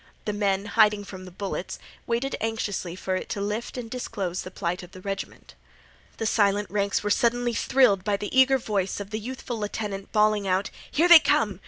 The men, hiding from the bullets, waited anxiously for it to lift and disclose the plight of the regiment. The silent ranks were suddenly thrilled by the eager voice of the youthful lieutenant bawling out: "Here they come!